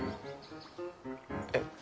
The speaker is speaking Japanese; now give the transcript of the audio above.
えっ？